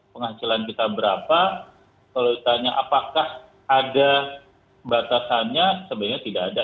penghasilan kita berapa kalau ditanya apakah ada batasannya sebenarnya tidak ada